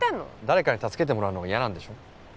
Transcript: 誰かに助けてもらうのが嫌なんでしょ？